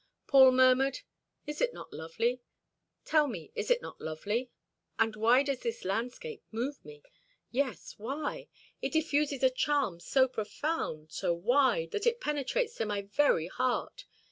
Paul murmured: "Is it not lovely? Tell me, is it not lovely? And why does this landscape move me? Yes, why? It diffuses a charm so profound, so wide, that it penetrates to my very heart.